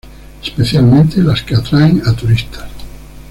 Especialmente las que atraen a turistas.